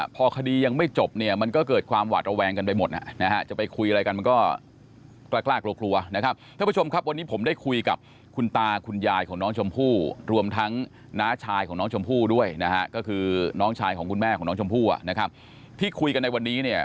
พอคดียังไม่จบเนี่ยมันก็เกิดความหวาดระแวงกันไปหมดนะ